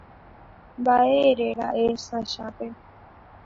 Mba'e eréra'e Sashape.